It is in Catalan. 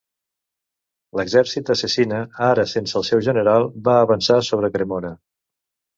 L'exèrcit de Cecina, ara sense el seu general, va avançar sobre Cremona.